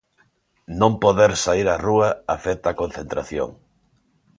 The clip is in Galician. Non poder saír á rúa, afecta á concentración.